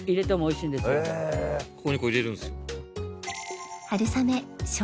ここにこう入れるんですよ。